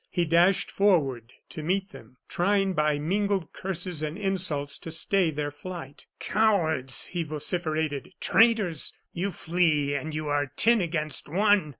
He dashed forward, to meet them, trying by mingled curses and insults to stay their flight. "Cowards!" he vociferated, "traitors! You flee and you are ten against one!